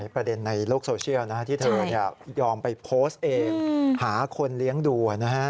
ประเด็นในโลกโซเชียลที่เธอยอมไปโพสต์เองหาคนเลี้ยงดู